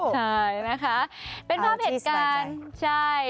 ใช่นะคะเป็นภาพเหตุการณ์ใช่